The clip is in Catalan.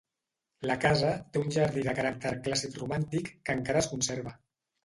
La casa té un jardí de caràcter clàssic-romàntic que encara es conserva.